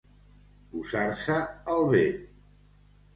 Posar-se el vent.